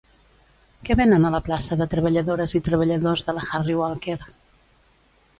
Què venen a la plaça de Treballadores i Treballadors de la Harry Walker